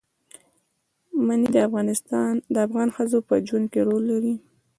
منی د افغان ښځو په ژوند کې رول لري.